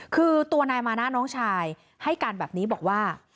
คือตัวนายมานะน้องชายให้การแบบนี้บอกว่า